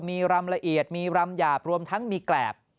มีรำละเอียดมีรำหยาบรวมทั้งมีแกรบ